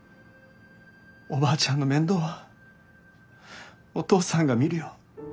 おばあちゃんの面倒はお父さんが見るよ」。